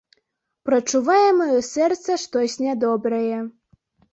Прачувае маё сэрца штось нядобрае.